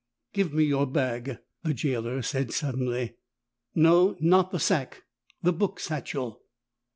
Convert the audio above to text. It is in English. "Give me your bag," the gaoler said suddenly. "No, not the sack, the book satchel."